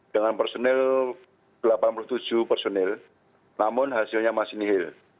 dengan personil delapan puluh tujuh personil namun hasilnya masih nihil